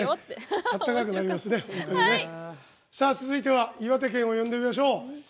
続いては岩手県を読んでみましょう。